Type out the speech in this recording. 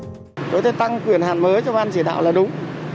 đối với tôi tăng quyền hàn mới cho ban chỉ đạo là đúng